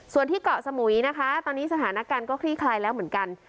ส่วนที่เกาะสมุยนะคะตอนนี้สถานการณ์ก็คลี่คลายแล้วเหมือนกัน